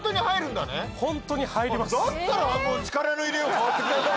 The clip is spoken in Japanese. だったら力の入れよう変わってくるよ。